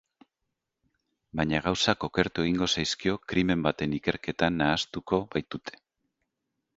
Baina gauzak okertu egingo zaizkio krimen baten ikerketan nahastuko baitute.